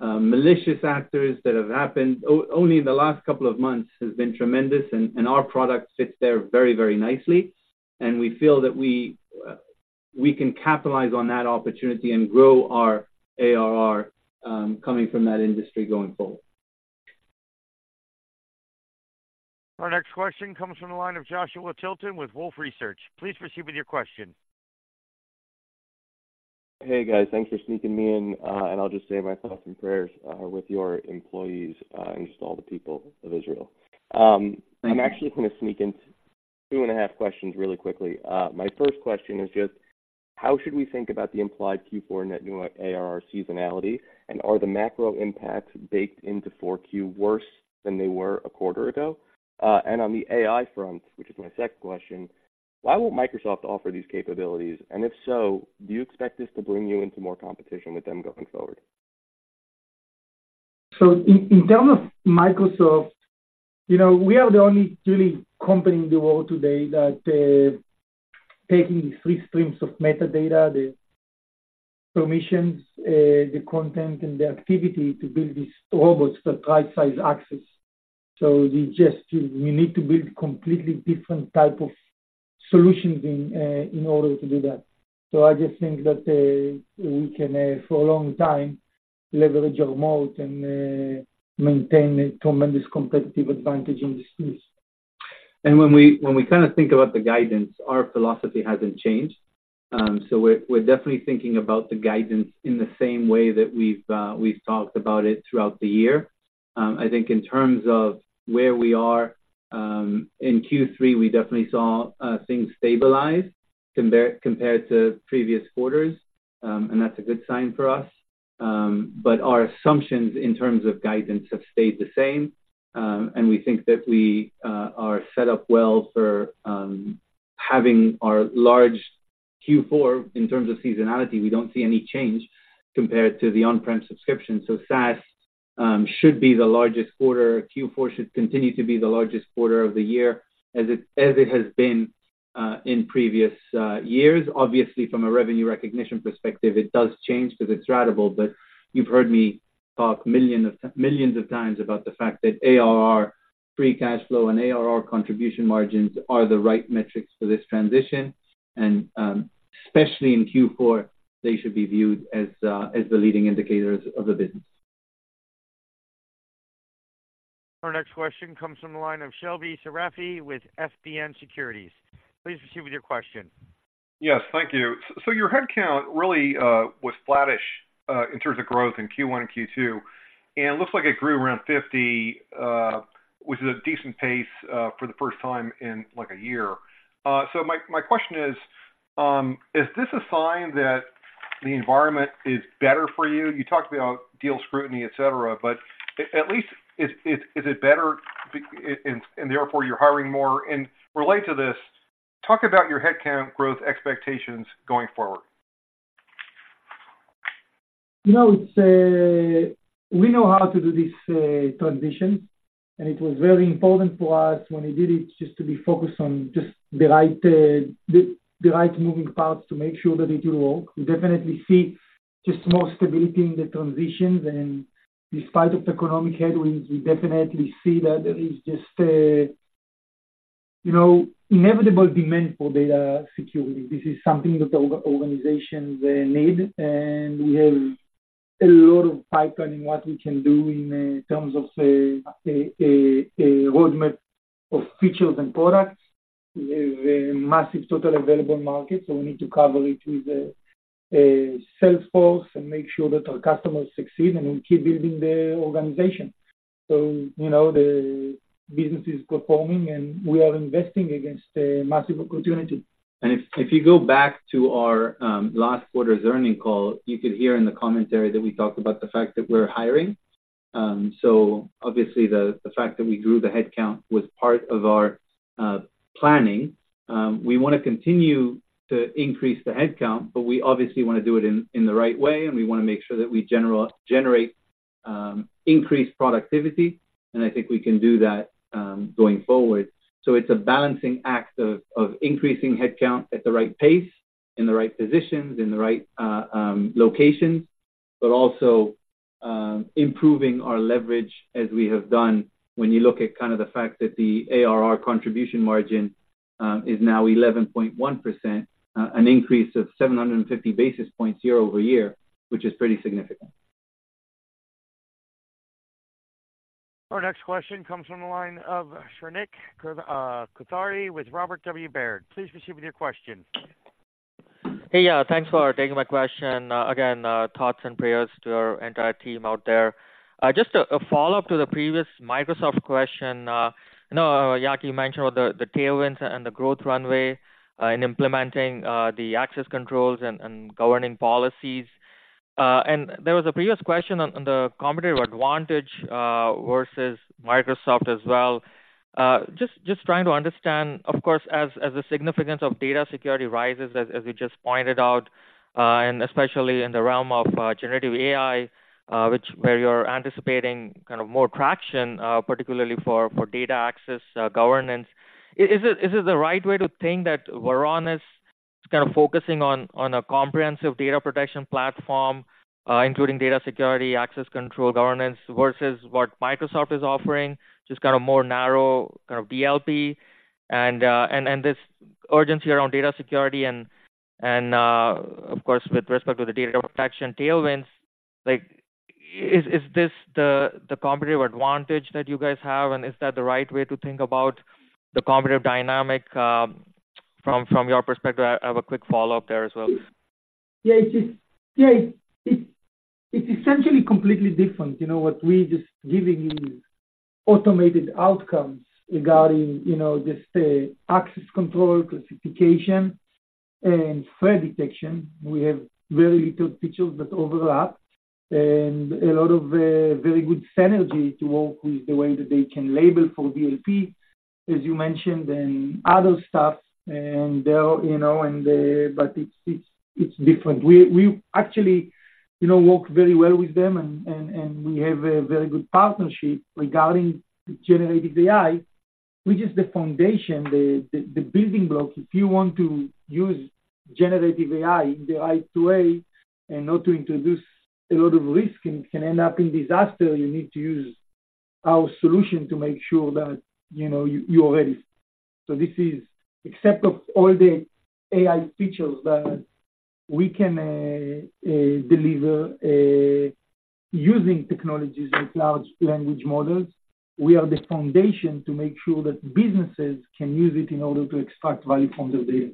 of malicious actors that have happened only in the last couple of months has been tremendous, and our product fits there very, very nicely. We feel that we can capitalize on that opportunity and grow our ARR coming from that industry going forward. Our next question comes from the line of Joshua Tilton with Wolfe Research. Please proceed with your question. Hey, guys. Thanks for sneaking me in, and I'll just say my thoughts and prayers are with your employees and just all the people of Israel. I'm actually gonna sneak in 2.5 questions really quickly. My first question is just: How should we think about the implied Q4 net new ARR seasonality? And are the macro impacts baked into Q4 worse than they were a quarter ago? And on the AI front, which is my second question: Why won't Microsoft offer these capabilities? And if so, do you expect this to bring you into more competition with them going forward? So in terms of Microsoft, you know, we are the only really company in the world today that taking the three streams of metadata, the permissions, the content, and the activity to build these robots for right-size access. So we just, we need to build completely different type of solutions in order to do that. So I just think that we can for a long time, leverage our moat and maintain a tremendous competitive advantage in this space. When we kind of think about the guidance, our philosophy hasn't changed. So we're definitely thinking about the guidance in the same way that we've talked about it throughout the year. I think in terms of where we are in Q3, we definitely saw things stabilize compared to previous quarters, and that's a good sign for us. But our assumptions in terms of guidance have stayed the same, and we think that we are set up well for having our large Q4. In terms of seasonality, we don't see any change compared to the on-prem subscription. SaaS should be the largest quarter. Q4 should continue to be the largest quarter of the year as it has been in previous years. Obviously, from a revenue recognition perspective, it does change because it's ratable, but you've heard me talk millions of times about the fact that ARR, Free Cash Flow, and ARR contribution margins are the right metrics for this transition, and especially in Q4, they should be viewed as the leading indicators of the business. Our next question comes from the line of Shebly Seyrafi with FBN Securities. Please proceed with your question. Yes, thank you. So your headcount really was flattish in terms of growth in Q1 and Q2, and it looks like it grew around 50, which is a decent pace for the first time in, like, a year. So my question is, is this a sign that the environment is better for you? You talked about deal scrutiny, et cetera, but at least is it better, and therefore, you're hiring more? And related to this, talk about your headcount growth expectations going forward. You know, it's. We know how to do this, transition, and it was very important for us when we did it, just to be focused on just the right, the right moving parts to make sure that it will work. We definitely see just more stability in the transitions, and in spite of the economic headwinds, we definitely see that there is just a, you know, inevitable demand for data security. This is something that the organizations need, and we have a lot of pipeline in what we can do in terms of, a roadmap of features and products. We have a massive total available market, so we need to cover it with a sales force and make sure that our customers succeed, and we keep building the organization. You know, the business is performing, and we are investing against a massive opportunity. And if you go back to our last quarter's earnings call, you could hear in the commentary that we talked about the fact that we're hiring. So obviously, the fact that we grew the headcount was part of our planning. We wanna continue to increase the headcount, but we obviously want to do it in the right way, and we want to make sure that we generate increased productivity, and I think we can do that going forward. So it's a balancing act of increasing headcount at the right pace, in the right positions, in the right locations... but also, improving our leverage as we have done when you look at kind of the fact that the ARR Contribution Margin is now 11.1%, an increase of 750 basis points year-over-year, which is pretty significant. Our next question comes from the line of Shrenik Kothari with Robert W. Baird. Please proceed with your question. Hey, yeah, thanks for taking my question, again, thoughts and prayers to our entire team out there. Just a follow-up to the previous Microsoft question. I know, Yaki, you mentioned about the tailwinds and the growth runway in implementing the access controls and governing policies. And there was a previous question on the competitive advantage versus Microsoft as well. Just trying to understand, of course, as the significance of data security rises, as you just pointed out, and especially in the realm of generative AI, which where you're anticipating kind of more traction, particularly for data access governance. Is it the right way to think that Varonis is kind of focusing on a comprehensive data protection platform, including data security, access control, governance, versus what Microsoft is offering, just kind of more narrow, kind of DLP, and this urgency around data security and, of course, with respect to the data protection tailwinds, like is this the competitive advantage that you guys have? And is that the right way to think about the competitive dynamic from your perspective? I have a quick follow-up there as well. Yeah, it is. Yeah, it's essentially completely different. You know, what we're just giving you is automated outcomes regarding, you know, just, access control, classification, and threat detection. We have very little features that overlap, and a lot of, very good synergy to work with the way that they can label for DLP, as you mentioned, and other stuff. And, you know, and, but it's different. We actually, you know, work very well with them and we have a very good partnership regarding generative AI, which is the foundation, the building block. If you want to use generative AI in the right way and not to introduce a lot of risk and can end up in disaster, you need to use our solution to make sure that, you know, you, you're ready. So this is aspect of all the AI features that we can deliver using technologies and cloud language models. We are the foundation to make sure that businesses can use it in order to extract value from their data.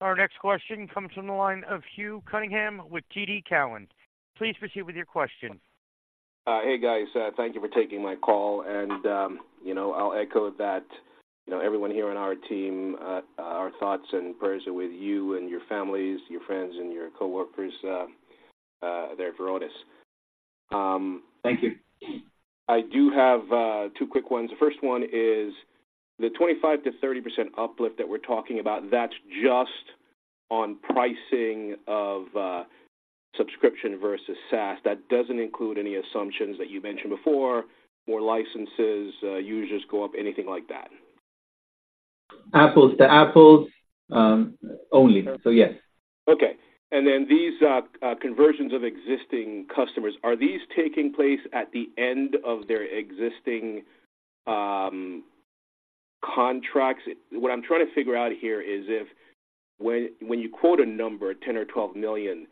Our next question comes from the line of Shaul Eyal with TD Cowen. Please proceed with your question. Hey, guys, thank you for taking my call, and, you know, I'll echo that, you know, everyone here on our team, our thoughts and prayers are with you and your families, your friends, and your coworkers, there at Varonis. Thank you. I do have two quick ones. The first one is the 25%-30% uplift that we're talking about, that's just on pricing of subscription versus SaaS. That doesn't include any assumptions that you mentioned before, more licenses, users go up, anything like that? Apples to apples, only. So, yes. Okay. And then these conversions of existing customers, are these taking place at the end of their existing contracts? What I'm trying to figure out here is if when, when you quote a number, $10-$12 million,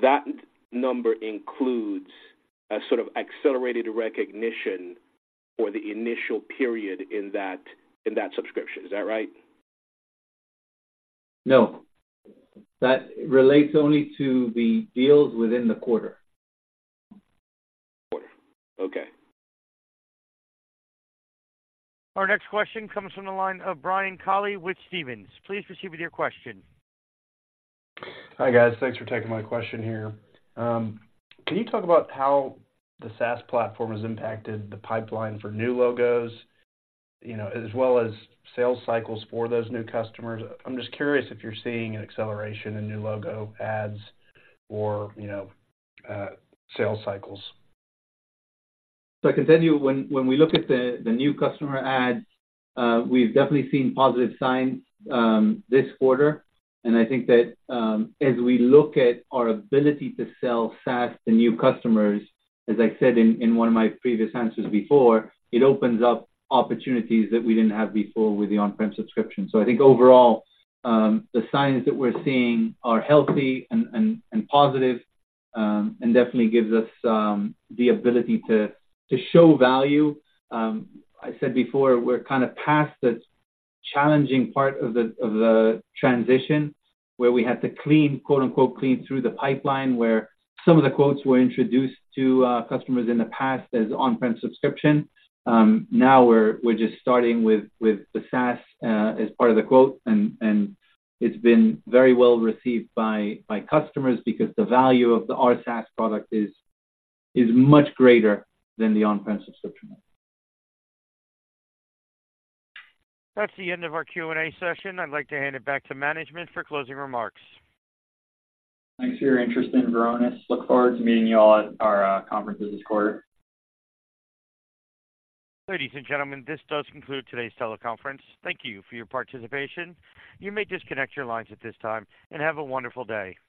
that number includes a sort of accelerated recognition for the initial period in that, in that subscription. Is that right? No. That relates only to the deals within the quarter. Quarter. Okay. Our next question comes from the line of Brian Colley with Stephens. Please proceed with your question. Hi, guys. Thanks for taking my question here. Can you talk about how the SaaS platform has impacted the pipeline for new logos, you know, as well as sales cycles for those new customers? I'm just curious if you're seeing an acceleration in new logo ads or, you know, sales cycles. So I can tell you when we look at the new customer adds, we've definitely seen positive signs this quarter. And I think that, as we look at our ability to sell SaaS to new customers, as I said in one of my previous answers before, it opens up opportunities that we didn't have before with the on-prem subscription. So I think overall, the signs that we're seeing are healthy and positive, and definitely gives us the ability to show value. I said before, we're kind of past this challenging part of the transition, where we had to clean, quote-unquote, "clean through the pipeline," where some of the quotes were introduced to customers in the past as on-prem subscription. Now we're just starting with the SaaS as part of the quote, and it's been very well received by customers because the value of our SaaS product is much greater than the on-prem subscription. That's the end of our Q&A session. I'd like to hand it back to management for closing remarks. Thanks for your interest in Varonis. Look forward to meeting you all at our conferences this quarter. Ladies and gentlemen, this does conclude today's teleconference. Thank you for your participation. You may disconnect your lines at this time, and have a wonderful day.